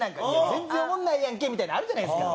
「全然おもんないやんけ」みたいなのあるじゃないですか。